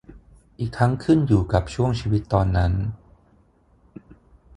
อีกทั้งขึ้นอยู่กับช่วงชีวิตตอนนั้น